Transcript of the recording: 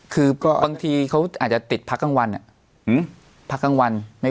คือบางทีเขาอาจจะติดพักขั้งวันอ่ะ